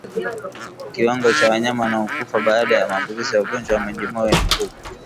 Kiwango cha wanyama wanaokufa baada ya maambukizi ya ugonjwa wa majimoyo ni kikubwa